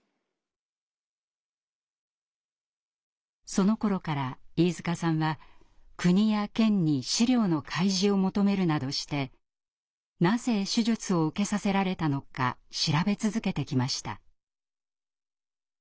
そのころから飯塚さんは国や県に資料の開示を求めるなどしてなぜ手術を受けさせられたのか調べ続けてきました。